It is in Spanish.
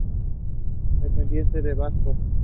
Descendiente de vascos.